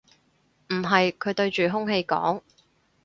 唔係，佢對住空氣講